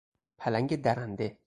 پلنگ درنده